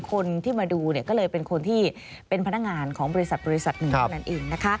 คนที่มาดูเนี่ยก็เลยเป็นคนที่เป็นพนักงานของบริษัทหนึ่ง